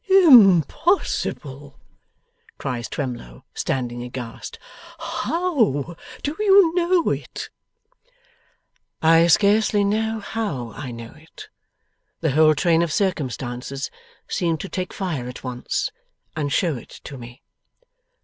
'Impossible!' cries Twemlow, standing aghast. 'How do you know it?' 'I scarcely know how I know it. The whole train of circumstances seemed to take fire at once, and show it to me.